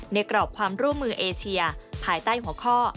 กรอบความร่วมมือเอเชียภายใต้หัวข้อ